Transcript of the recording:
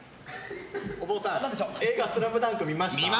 お坊さん、映画「ＳＬＡＭＤＵＮＫ」見ましたよ。